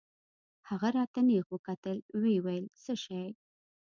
هغه راته نېغ وکتل ويې ويل څه شى.